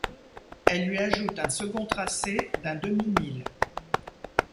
Elle lui ajoute un second tracé d’un demi-mille.